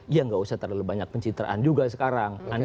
ya nggak usah terlalu banyak pencitraan juga sekarang